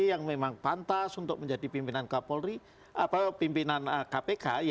yang memang pantas untuk menjadi pimpinan kpk